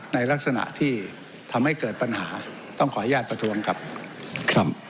ในลักษณะที่ทำให้เกิดปัญหาต้องขออนุญาตประท้วงครับครับ